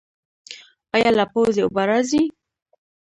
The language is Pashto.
ایا له پوزې اوبه راځي؟